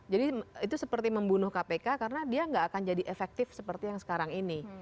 itu seperti membunuh kpk karena dia nggak akan jadi efektif seperti yang sekarang ini